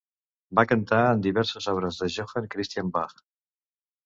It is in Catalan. Va cantar en diverses obres de Johann Christian Bach.